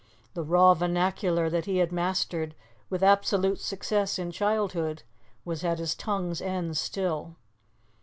The raw vernacular that he had mastered with absolute success in childhood was at his tongue's end still.